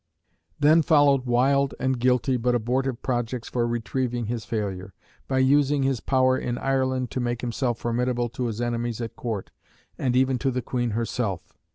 Then followed wild and guilty but abortive projects for retrieving his failure, by using his power in Ireland to make himself formidable to his enemies at Court, and even to the Queen herself.